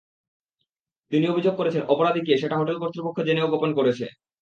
তিনি অভিযোগ করেছেন, অপরাধী কে, সেটা হোটেল কর্তৃপক্ষ জেনেও গোপন করেছে।